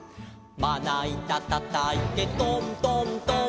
「まないたたたいてトントントン」